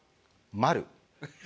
丸？